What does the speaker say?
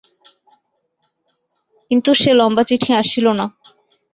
কিন্তু সে লম্বা চিঠি আসিল না।